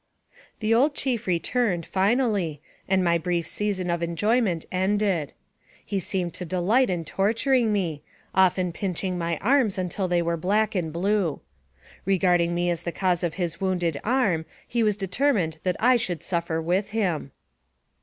The old chief returned, finally, and my brief season of enjoyment ended. He seemed to delight in tortur ing me, often pinching my arms until they were black and blue. Regarding me as the cause of his wounded arm, he was determined that I should suffer with him.